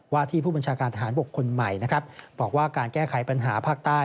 ที่ผู้บัญชาการทหารบกคนใหม่นะครับบอกว่าการแก้ไขปัญหาภาคใต้